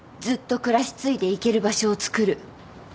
ずっと暮らし継いでいける場所をつくる。